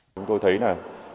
chúng tôi thấy là